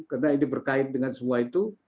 karena ini berkait dengan semua itu